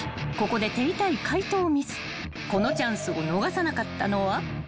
［このチャンスを逃さなかったのは］